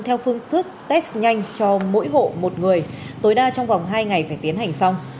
theo phương thức test nhanh cho mỗi hộ một người tối đa trong vòng hai ngày phải tiến hành xong